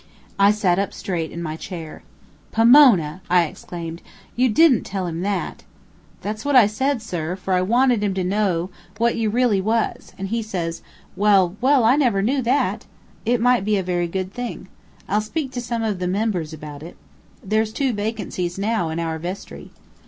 I sat up straight in my chair. "Pomona!" I exclaimed, "you didn't tell him that?" "That's what I said, sir, for I wanted him to know what you really was; an' he says, 'Well, well, I never knew that. It might be a very good thing. I'll speak to some of the members about it. There's two vacancies now in our vestry."